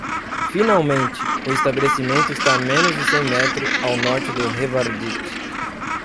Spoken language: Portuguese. Finalmente, o estabelecimento está a menos de cem metros ao norte do Revardit.